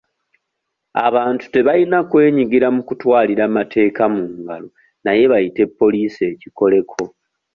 Abantu tebayina kwenyigira mu kutwalira mateeka mu ngalo naye bayite poliisi ekikoleko.